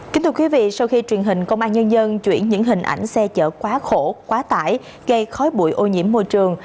kính thưa quý vị sau khi truyền hình công an nhân dân chuyển những hình ảnh xe chở quá khổ quá tải gây khói bụi ô nhiễm môi trường